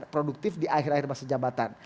produktif di akhir akhir masa jabatan